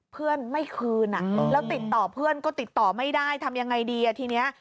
เพื่อนไม่คืนแล้วติดต่อเพื่อนก็ติดต่อไม่ได้ทำยังไงดีทีนี้